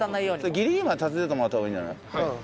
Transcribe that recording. ギリギリまで立ててもらった方がいいんじゃない？